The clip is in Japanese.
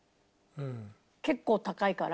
結構高いから。